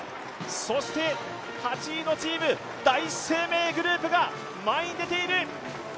８位のチーム、第一生命グループが前に出ている。